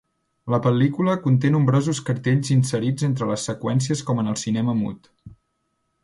La pel·lícula conté nombrosos cartells inserits entre les seqüències com en el cinema mut.